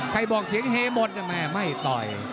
บอกเสียงเฮหมดแม่ไม่ต่อย